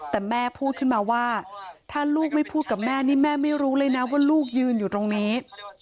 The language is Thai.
แต่แม่พูดขึ้นมาว่าถ้าลูกไม่พูดกับแม่นี่แม่ไม่รู้เลยนะว่าลูกยืนอยู่ตรงนี้